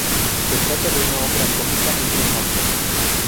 Se trata de una ópera cómica en tres actos.